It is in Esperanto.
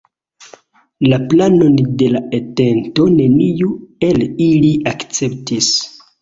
La planon de la entento neniu el ili akceptis.